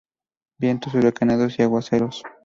Vientos huracanados y aguaceros.